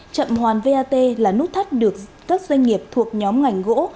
chậm hoàn vat là nút thắt được các doanh nghiệp thuộc nhóm ngành gỗ